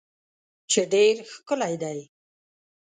چې ډیر ښکلی دی